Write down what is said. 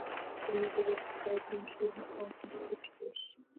The movie was exciting and thrilling from start to finish.